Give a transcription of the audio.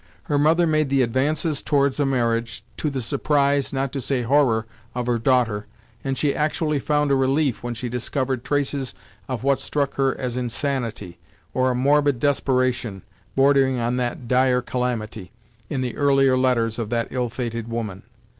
Her mother made the advances towards a marriage, to the surprise, not to say horror of her daughter, and she actually found a relief when she discovered traces of what struck her as insanity or a morbid desperation, bordering on that dire calamity in the earlier letters of that ill fated woman.